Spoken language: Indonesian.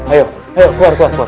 ayo keluar keluar